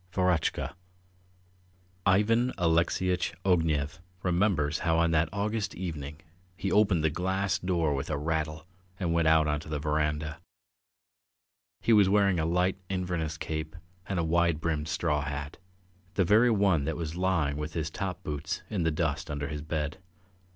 VEROTCHKA IVAN ALEXEYITCH OGNEV remembers how on that August evening he opened the glass door with a rattle and went out on to the verandah. He was wearing a light Inverness cape and a wide brimmed straw hat, the very one that was lying with his top boots in the dust under his bed.